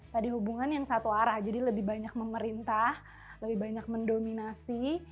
tadi hubungan yang satu arah jadi lebih banyak memerintah lebih banyak mendominasi